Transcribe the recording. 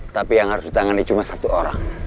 tapi yang harus ditangani cuma satu orang